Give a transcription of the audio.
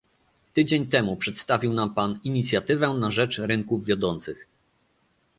Tydzień temu przedstawił nam pan "inicjatywę na rzecz rynków wiodących"